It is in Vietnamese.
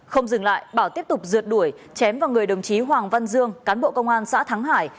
không dừng lại bảo tiếp tục rượt đuổi chém vào người đồng chí hoàng văn dương cán bộ công an xã thắng hải